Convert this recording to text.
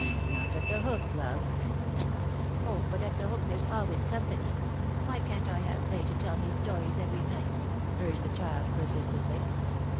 " Not at The Hook, love." " O, but at The Hook there's always company. Why can't I have Fay to tell me stories every night ?" urged the child per sistently.